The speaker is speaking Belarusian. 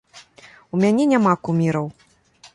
У мяне няма куміраў.